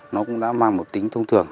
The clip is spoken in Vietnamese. nó cũng đã mang một tính thông thường